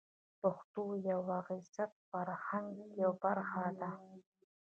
پښتو د یوه با عزته فرهنګ یوه برخه ده.